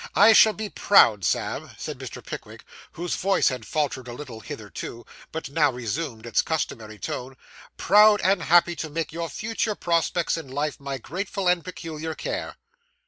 I shall be proud, Sam,' said Mr. Pickwick, whose voice had faltered a little hitherto, but now resumed its customary tone, 'proud and happy to make your future prospects in life my grateful and peculiar care.